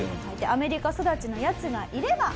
アメリカ育ちのヤツがいれば。